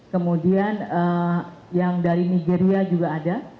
kemudian yang dari nigeria juga ada